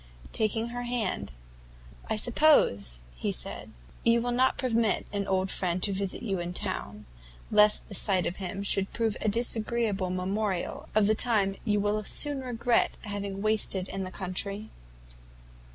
Taking her hand, "I suppose," he said, "you will not permit an old friend to visit you in town, lest the sight of him should prove a disagreeable memorial of the time you will soon regret having wasted in the country?"